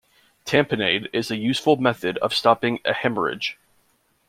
Tamponade is a useful method of stopping a hemorrhage.